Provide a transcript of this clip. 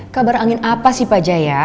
kabar angin apa sih pak jaya